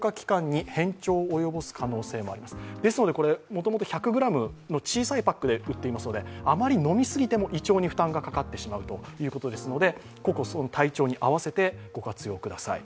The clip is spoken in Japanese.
もともと１００ｇの小さいパックで売っていますのであまり飲み過ぎても胃腸に負担がかかってしまうということで個々の体調に合わせてご活用ください。